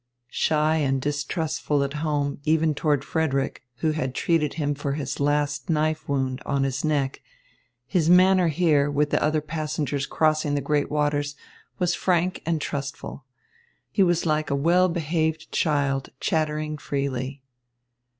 Shy and distrustful at home, even toward Frederick, who had treated him for his last knife wound on his neck, his manner here, with the other passengers crossing the great waters, was frank and trustful. He was like a well behaved child chattering freely.